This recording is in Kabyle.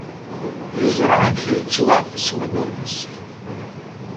Yeẓra amek yettwaɛfes win ur nessin.